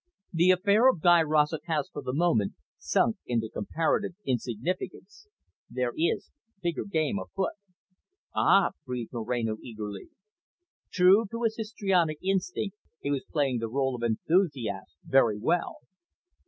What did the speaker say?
"The affair of Guy Rossett has, for the moment, sunk into comparative insignificance. There is bigger game afoot." "Ah!" breathed Moreno eagerly. True to his histrionic instinct, he was playing the role of enthusiast very well.